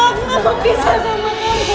aku gak mau pisah sama kamu